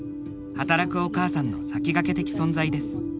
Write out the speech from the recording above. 働くお母さんの先駆け的存在です。